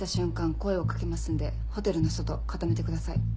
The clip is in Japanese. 声を掛けますんでホテルの外固めてください。